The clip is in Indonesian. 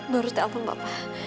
baru telfon papa